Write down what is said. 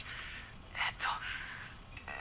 えっと。